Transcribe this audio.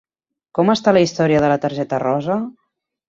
Com està la història de la targeta rosa?